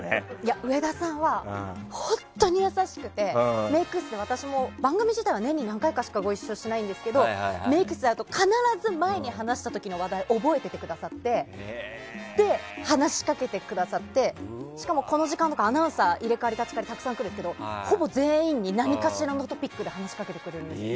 上田さんは本当に優しくてメイク室で私も番組自体は年に何回かしかご一緒しないんですけどメイク室で会うと必ず前に話した時の話題を覚えていてくださって話しかけてくださってしかもこの時間とかアナウンサー入れ代わり立ち代わりたくさん来るんですけどほぼ全員に何かしらのトピックで話しかけてくれます。